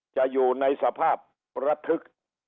จะอยู่ในสภาพระทึก